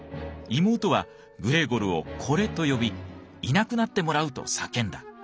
妹はグレーゴルを「これ」と呼び「いなくなってもらう！」と叫んだ。